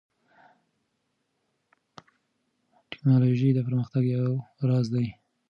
ټیکنالوژي د پرمختګ یو راز دی.